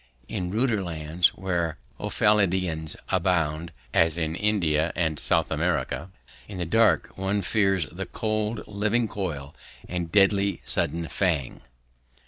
In ruder lands, where ophidians abound, as in India and South America, in the dark one fears the cold living coil and deadly sudden fang.